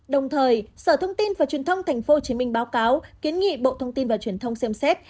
đồng thời sở thông tin và truyền thông tp hcm báo cáo kiến nghị bộ thông tin và truyền thông xem xét